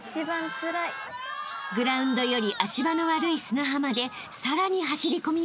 ［グラウンドより足場の悪い砂浜でさらに走り込みます］